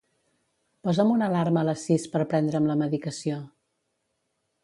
Posa'm una alarma a les sis per prendre'm la medicació.